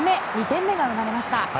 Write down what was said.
２点目が生まれました。